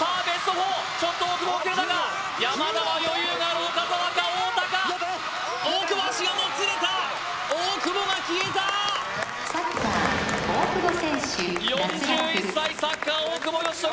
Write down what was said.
４ちょっと大久保遅れたか山田は余裕がある岡澤か太田か大久保足がもつれた大久保が消えた４１歳サッカー・大久保嘉人